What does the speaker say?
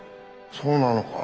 そうなのか。